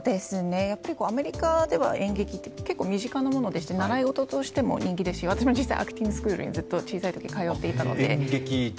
やっぱりアメリカでは演劇って結構身近なものでして、習い事としても人気ですし、私も実際、アクタースクールにずっと小さいころに通っていたので。